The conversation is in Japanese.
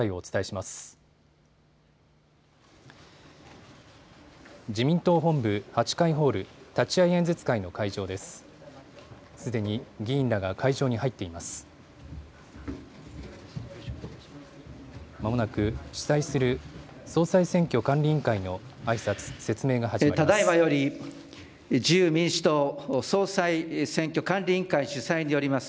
まもなく、主催する総裁選挙管理委員会のあいさつ、説明が始まります。